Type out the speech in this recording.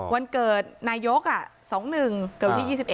วันเกิดนายก๒๑เกิดวันที่๒๑